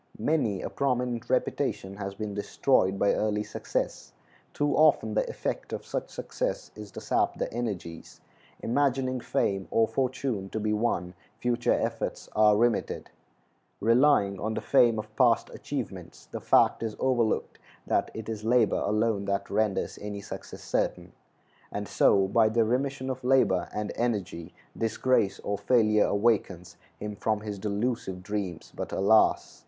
Many a prominent reputation has been destroyed by early success. Too often the effect of such success is to sap the energies. Imagining fame or fortune to be won, future efforts are remitted; relying on the fame of past achievements, the fact is overlooked that it is labor alone that renders any success certain; and so by the remission of labor and energy, disgrace or failure awakens him from his delusive dreams; but, alas!